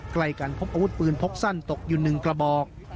ใกล้กันพบอาวุธปืนพกสั้นตกอยู่๑กระบอก